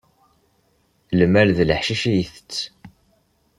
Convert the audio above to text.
Lmal d leḥcic i itett.